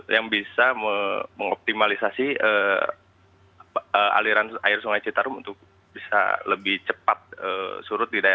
yang bisa mengoptimalisasi aliran air sungai citarum untuk bisa lebih cepat surut di daerah